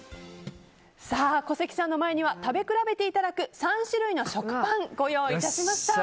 小関さんの前には食べ比べていただく３種類の食パンご用意致しました。